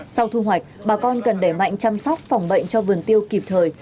sau thu hoạch bà con cần đẩy mạnh chăm sóc phòng bệnh cho vườn tiêu kịp thời